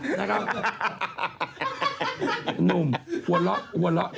หนุ่มหัวเราะหัวเราะ